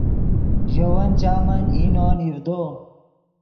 ژے ون چامن اینو نیڤدو